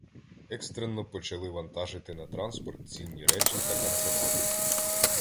Екстрено почали вантажити на транспорт цінні речі та канцелярії.